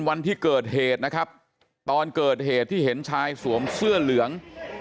วันที่เกิดเหตุนะครับตอนเกิดเหตุที่เห็นชายสวมเสื้อเหลือง